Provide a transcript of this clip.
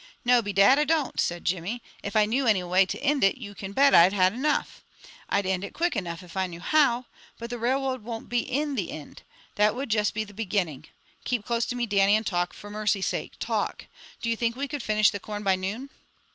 "No, bedad, I don't!" said Jimmy. "If I knew any way to ind it, you can bet I've had enough. I'd ind it quick enough, if I knew how. But the railroad wouldn't be the ind. That would just be the beginnin'. Keep close to me, Dannie, and talk, for mercy sake, talk! Do you think we could finish the corn by noon?"